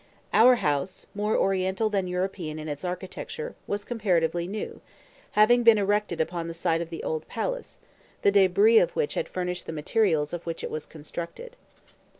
Our house more Oriental than European in its architecture was comparatively new, having been erected upon the site of the old palace, the débris of which had furnished the materials of which it was constructed.